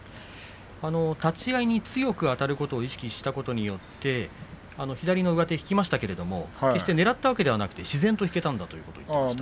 立ち合いに強くあたることを意識することによって左の上手を引きましたけれども決してねらったわけではなく自然に引けていたんだという話でした。